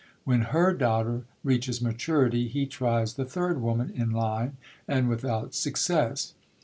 When her daughter reaches maturity, he tries the third woman in line and without success.